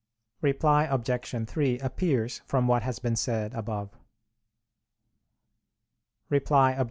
Reply Obj. 3: appears from what has been said above. Reply Obj.